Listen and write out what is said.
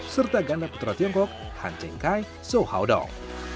serta ganda putra tiongkok han cheng kai soe hau dong